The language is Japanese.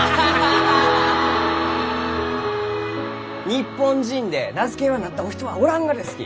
日本人で名付け親になったお人はおらんがですき！